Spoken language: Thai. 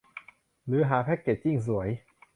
หรือหาแพ็กเกจจิ้งสวย